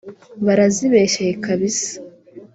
Barazibeshyeye kabisa